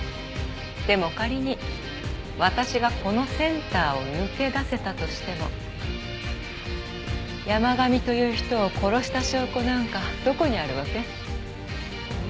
でも仮に私がこのセンターを抜け出せたとしても山神という人を殺した証拠なんかどこにあるわけ？